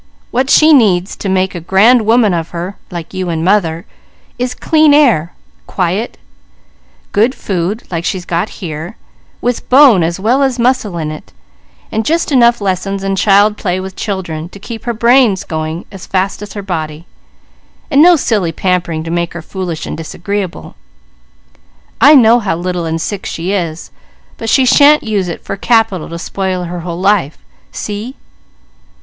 What she needs to make a grand woman of her, like you and mother, is clean air, quiet, good food like she's got here, with bone as well as muscle in it; and just enough lessons and child play with children to keep her brains going as fast as her body, and no silly pampering to make her foolish and disagreeable. I know how little and sick she is, but she shan't use it for capital to spoil her whole life. See?"